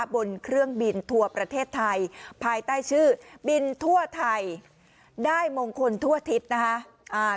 บินทั่วไทยได้มงคลทั่วทิศนะฮะ